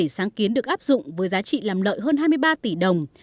một trăm tám mươi bảy sáng kiến được áp dụng với giá trị làm lợi hơn hai mươi ba tỷ đồng